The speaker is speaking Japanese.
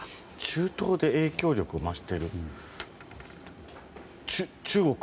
中東で影響力を増してる？